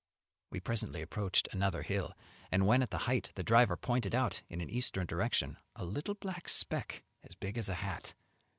We presently approached another hill, and when at the height, the driver pointed out in an eastern direction a little black speck as big as a hat.